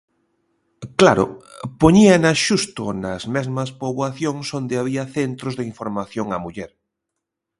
Claro, poñíanas xusto nas mesmas poboacións onde había centros de información á muller.